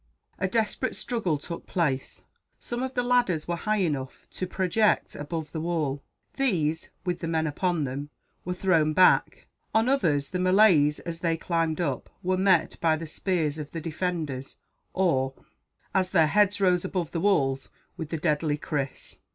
A desperate struggle took place. Some of the ladders were high enough to project above the wall. These, with the men upon them, were thrown back. On others the Malays, as they climbed up, were met by the spears of the defenders or, as their heads rose above the walls, with the deadly kris.